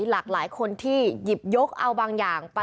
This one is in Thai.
หลากหลายคนที่หยิบยกเอาบางอย่างไป